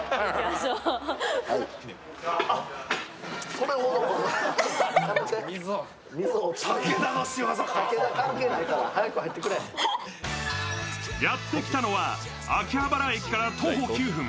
砂、水、衝撃やってきたのは秋葉原駅から徒歩９分。